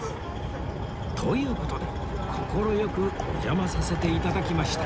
という事で快くお邪魔させて頂きました